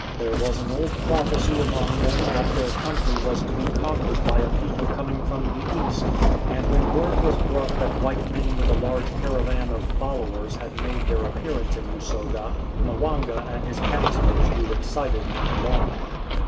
There was an old prophecy among them that their country was to be conquered by a people coming from the east, and when word was brought that white men with a large caravan of followers had made their appearance in Usoga, Mwanga and his councillors grew excited and alarmed.